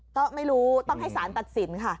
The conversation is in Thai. ก็ไม่รู้ต้องให้สารตัดสินค่ะ